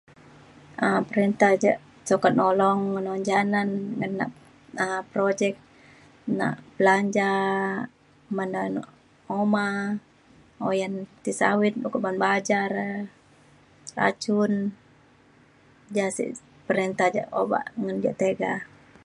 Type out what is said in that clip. um perinta ja sukat nolong [unintelligible] ja nan nak nak projek nak belanja men anok uma uyan ti sawit buk ko ba'an baja re racun ja sek perinta ja obak ngan yak tiga